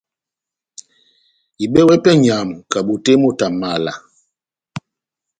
Ihibɛwɛ pɛhɛ nʼnyamu kabotè moto wa mala